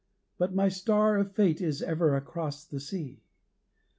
But my star of fate Is ever across the sea.